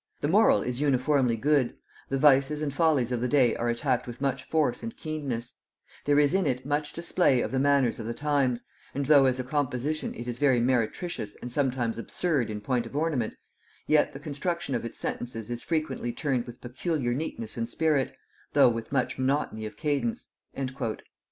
The moral is uniformly good; the vices and follies of the day are attacked with much force and keenness; there is in it much display of the manners of the times; and though as a composition it is very meretricious and sometimes absurd in point of ornament, yet the construction of its sentences is frequently turned with peculiar neatness and spirit, though with much monotony of cadence."